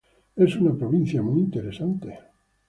Es una provincia muy interesante.